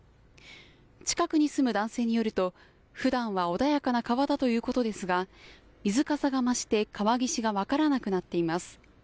近くに住む男性によるとふだんは穏やかな川だということですが水かさが増して川岸が分からなくなっています。